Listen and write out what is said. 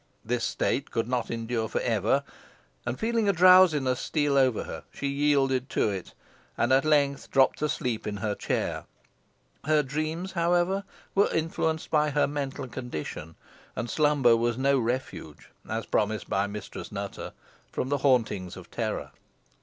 This state could not endure for ever, and feeling a drowsiness steal over her she yielded to it, and at length dropped asleep in her chair. Her dreams, however, were influenced by her mental condition, and slumber was no refuge, as promised by Mistress Nutter, from the hauntings of terror.